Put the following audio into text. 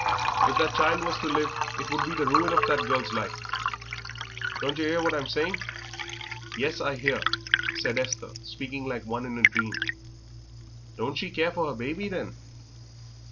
If that child was to live it would be the ruin of that girl's life. Don't yer 'ear what I'm saying?" "Yes, I hear," said Esther, speaking like one in a dream; "don't she care for her baby, then?"